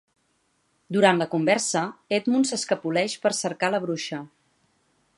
Durant la conversa, Edmund s'escapoleix per cercar la bruixa.